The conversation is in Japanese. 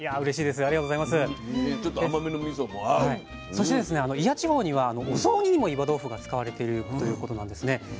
そして祖谷地方にはお雑煮にも岩豆腐が使われているということなんですね。